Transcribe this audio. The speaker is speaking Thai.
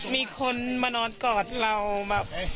มีคนมานอนกอดเราแบบ